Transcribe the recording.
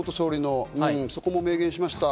そこも明言しました。